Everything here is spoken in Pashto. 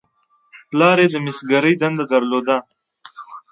پلار یې د مسګرۍ دنده درلوده.